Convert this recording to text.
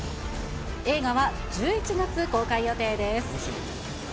映画は１１月公開予定です。